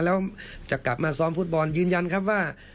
แล้วจะกลับมาซ้อมฟุตบอลยืนยันครับว่า